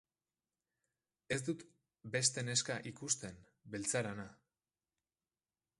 Ez dut beste neska ikusten, beltzarana.